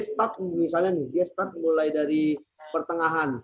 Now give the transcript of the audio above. start misalnya nih dia start mulai dari pertengahan